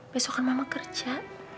besok kan mama kerja